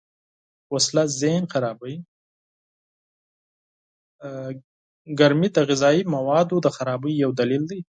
گرمي د غذايي موادو د خرابۍ يو دليل دئ.